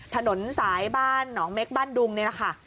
ถนนสายบ้านหนองเม็กบ้านดุงนี่แหละค่ะ